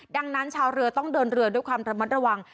ดังนั้นชาวเรือต้องเดินเรือด้วยความระมัดระวัง